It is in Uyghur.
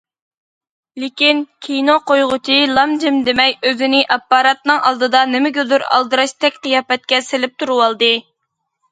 لېكىن كىنو قويغۇچى لام- جىم دېمەي، ئۆزىنى ئاپپاراتنىڭ ئالدىدا نېمىگىدۇر ئالدىراشتەك قىياپەتكە سېلىپ تۇرۇۋالدى.